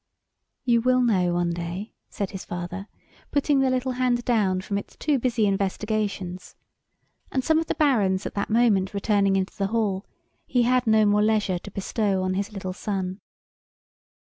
"You will know one day," said his father, putting the little hand down from its too busy investigations; and some of the Barons at that moment returning into the hall, he had no more leisure to bestow on his little son.